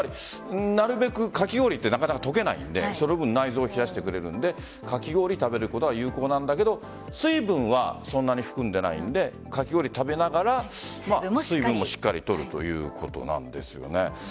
なるべくかき氷ってなかなか溶けないのでその分内臓を冷やしてくれるからかき氷を食べることが有効だけど水分はそんなに含んでいないのでかき氷を食べながら水分もしっかり取るということなんですよね。